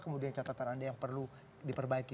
kemudian catatan anda yang perlu diperbaiki